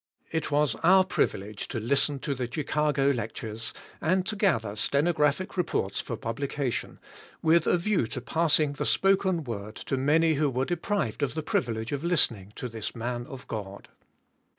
It was our privilege to listen to the Chicago lec tures, and to gather stenographic reports for publi cation, with a view to passing the *' spoken word" to many who were deprived of the privilege of lis tening to this man of God.